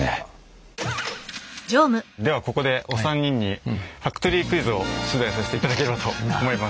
ではここでお三人にファクトリークイズを出題させていただければと思います。